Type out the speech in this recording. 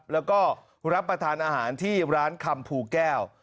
แล้วก็รับประทานอาหารที่ร้านคำภูแก้ว